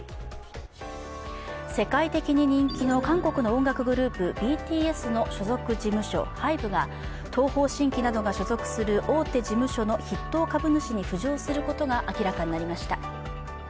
世界的に人気の韓国の音楽グループＢＴＳの所属事務所ＨＹＢＥが、東方神起などが所属する大手事務所の筆頭株主に浮上することが明らかになりました。